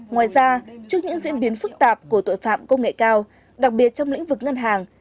ngoài ra trước những diễn biến phức tạp của tội phạm công nghệ cao đặc biệt trong lĩnh vực ngân hàng